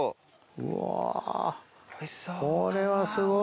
うわこれはすごい。